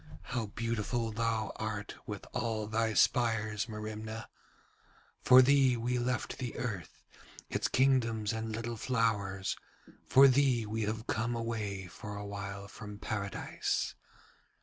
'How beautiful thou art with all thy spires, Merimna. For thee we left the earth, its kingdoms and little flowers, for thee we have come away for awhile from Paradise.